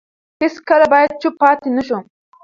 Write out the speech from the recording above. هیڅکله باید چوپ پاتې نه شو.